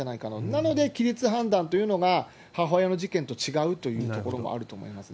なので擬律判断というのが母親の事件と違うというところもあるとなるほど。